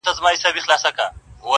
په تلاښ د وظیفې سوه د خپل ځانه-